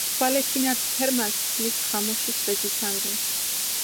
ხვალე თინა რდჷ ფერმას, მით დღამუშის ვეძიცანდუნ.